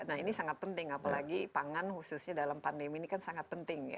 nah ini sangat penting apalagi pangan khususnya dalam pandemi ini kan sangat penting ya